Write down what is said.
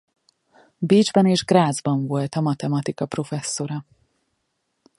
Bécsben és Grazban volt a matematika professzora.